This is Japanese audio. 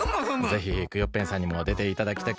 ぜひクヨッペンさんにもでていただきたく。